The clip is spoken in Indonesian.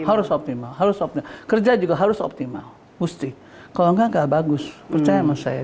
harus optimal harus optimal kerja juga harus optimal mesti kalau enggak enggak bagus percaya sama saya